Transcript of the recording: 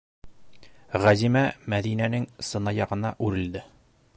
- Ғәзимә Мәҙинәнең сынаяғына үрелде.